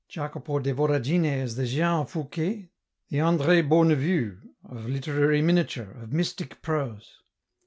Jacopo de Voragine is the Jehan Fouquet, the Andrd Beaunevue, of literary miniature, of mystic prose